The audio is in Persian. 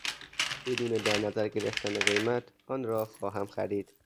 بدون در نظر گرفتن قیمت آن را خواهم خرید.